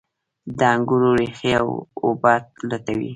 د انګورو ریښې اوبه لټوي.